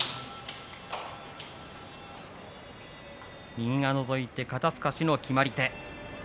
右がのぞいて肩すかしの決まり手。